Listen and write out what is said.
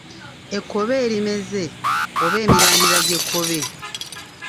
Ekkobe erimeze oba emirandira gy'ekkobe.